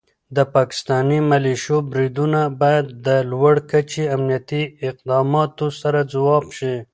د پاکستاني ملیشو بریدونه باید د لوړ کچې امنیتي اقداماتو سره ځواب شي.